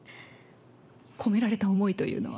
込められた思いというのは？